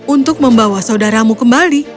untuk membawa saudaramu kembali